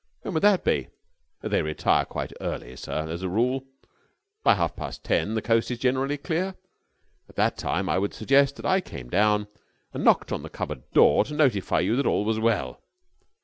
"When would that be?" "They retire quite early, sir, as a rule. By half past ten the coast is generally clear. At that time I would suggest that I came down and knocked on the cupboard door to notify you that all was well."